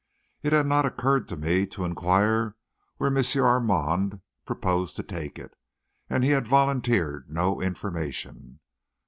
It had not occurred to me to inquire where M. Armand proposed to take it, and he had volunteered no information.